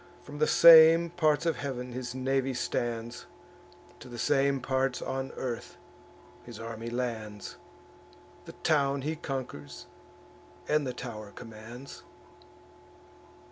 From the same parts of heav'n his navy stands, To the same parts on earth; his army lands; The town he conquers, and the tow'r commands."